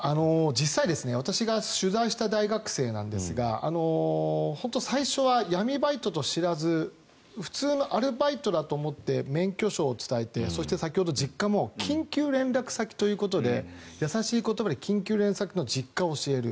実際私が取材した大学生なんですが最初は闇バイトと知らず普通のアルバイトだと思って免許証を伝えてそして先ほど、実家も緊急連絡先ということで優しい言葉で、緊急連絡先の実家を教える。